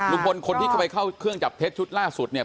ลุงพลคนที่เข้าเครื่องจับเท็จชุดล่าสุดเนี่ย